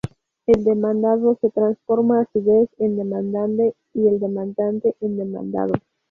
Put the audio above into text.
El demandado se transforma, a su vez, en demandante y el demandante en demandado.